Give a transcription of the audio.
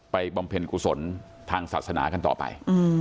บำเพ็ญกุศลทางศาสนากันต่อไป